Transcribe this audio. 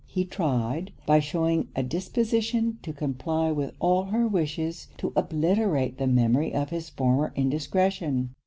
He tried, by shewing a disposition to comply with all her wishes, to obliterate the memory of his former indiscretion.